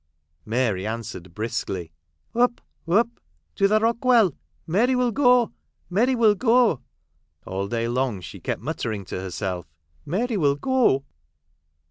Mary answered briskly, " Up, up ! To the Rock Well ! Mary will go. Mary will go." All day long she kept muttering to herself, " Mary will go."